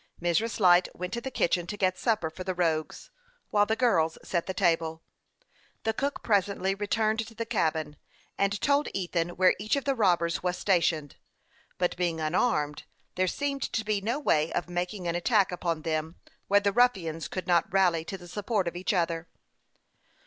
Mrs. Light went to the kitchen to get supper for the rogues, while the girls set the table. The cook presently returned to the cabin, and told Ethan where each of the robbers was stationed ; but being unarmed, there seemed to be no way of making an attack upon them where the ruffians could not rally to the support of each other.